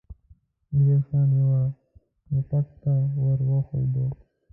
ميرويس خان يوه ټوپک ته ور وښويېد.